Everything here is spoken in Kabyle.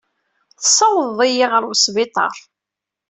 Tessawḍeḍ-iyi ɣer wesbiṭar.